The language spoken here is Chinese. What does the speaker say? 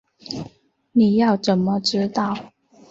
你要怎么知道